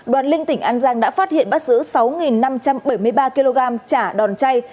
đoàn linh tỉnh an giang đã phát hiện bắt giữ sáu năm trăm bảy mươi ba kg chả đòn chay